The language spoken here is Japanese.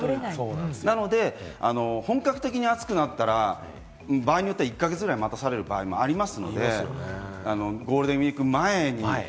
なので、本格的に暑くなったら場合によっては１か月くらい待たされる場合もありますので、ゴールデンウイーク前に。